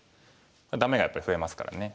ダメがやっぱり増えますからね。